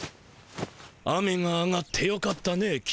雨が上がってよかったね公。